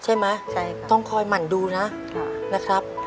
ใช่ไหมต้องคอยหมั่นดูนะนะครับ